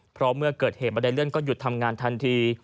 เพราะเมื่อเกิดเหตุบันไดเลื่อนก็หยุดทำงานทันที